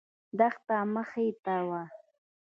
دښته مخې ته وه.